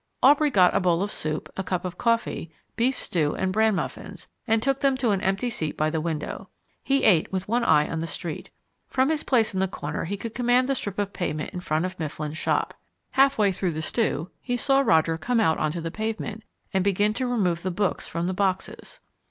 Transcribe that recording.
Aubrey got a bowl of soup, a cup of coffee, beef stew, and bran muffins, and took them to an empty seat by the window. He ate with one eye on the street. From his place in the corner he could command the strip of pavement in front of Mifflin's shop. Halfway through the stew he saw Roger come out onto the pavement and begin to remove the books from the boxes.